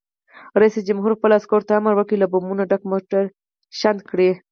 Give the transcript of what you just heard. رئیس جمهور خپلو عسکرو ته امر وکړ؛ له بمونو ډک موټر شنډ کړئ!